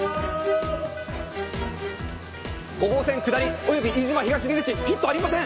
５号線下り及び飯島東出口ヒットありません。